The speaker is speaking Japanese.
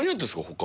他。